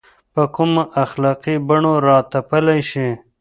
په کومو اخلاقي بڼو راتپلی شي.